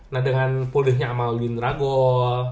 nah dengan pull deh nya sama william dragol